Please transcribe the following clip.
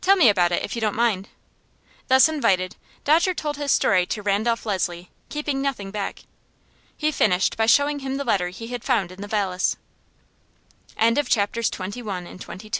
"Tell me about it, if you don't mind." Thus invited, Dodger told his story to Randolph Leslie, keeping nothing back. He finished by showing him the letter he had found in the valise. Chapter XXIII. Through The Golden Gate.